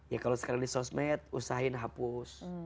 ya kalau sekarang di sosmed usahain hapus